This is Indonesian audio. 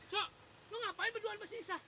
soh lo ngapain berduaan bersih isa